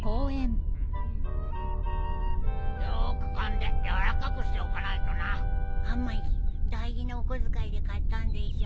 よくかんで軟らかくしておかないとな。はまじ大事なお小遣いで買ったんでしょ。